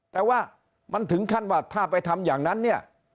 แต่ว่ามันถึงขั้นว่าถ้าไปทำอย่างนั้นเนี่ย